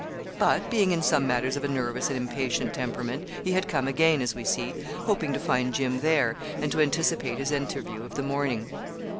But being in some matters of a nervous and impatient temperament, he had come again, as we see, hoping to find Jim there, and to anticipate his interview of the morning.